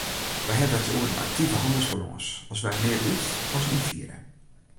Wy hawwe it oer in aktive hannelsbalâns as wy mear út- as ynfiere.